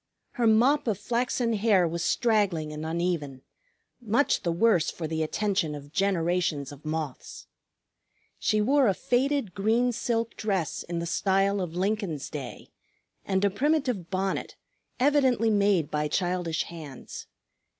Her mop of flaxen hair was straggling and uneven, much the worse for the attention of generations of moths. She wore a faded green silk dress in the style of Lincoln's day, and a primitive bonnet, evidently made by childish hands.